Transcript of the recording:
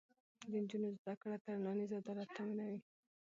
د نجونو زده کړه ټولنیز عدالت تامینوي.